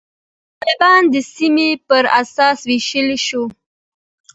طالبان د سیمې پر اساس ویشلای شو.